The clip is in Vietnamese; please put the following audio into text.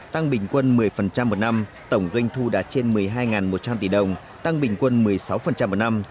tăng bình quân một mươi một năm tổng doanh thu đạt trên một mươi hai một trăm linh tỷ đồng tăng bình quân một mươi sáu một năm